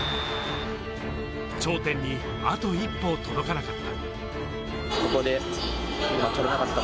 頂点にあと一歩届かなかった。